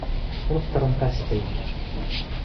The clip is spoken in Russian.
Он в тарантасе поедет.